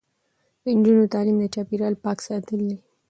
د نجونو تعلیم د چاپیریال پاک ساتل دي.